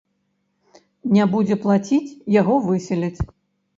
Не будзе плаціць, яго выселяць.